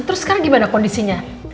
terus sekarang gimana kondisinya